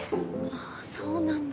あっそうなんだ。